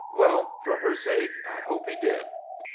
"Well, for her sake I hope he did."